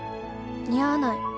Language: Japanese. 似合わない